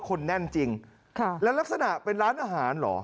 คนแน่นจริงค่ะแล้วลักษณะเป็นร้านอาหารเหรอ